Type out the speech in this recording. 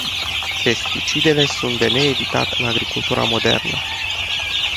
Pesticidele sunt de neevitat în agricultura modernă.